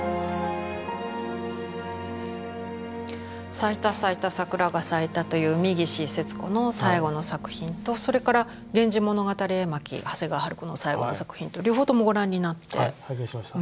「さいたさいたさくらがさいた」という三岸節子の最後の作品とそれから「源氏物語絵巻」長谷川春子の最後の作品と両方ともご覧になって。拝見しました。